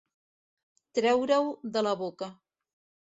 Treure-ho de la boca.